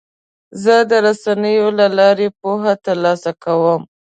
زه د رسنیو له لارې پوهه ترلاسه کوم.